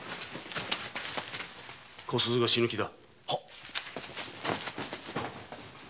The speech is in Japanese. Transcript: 小鈴が死ぬ気だ。